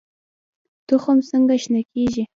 تخم څنګه شنه کیږي؟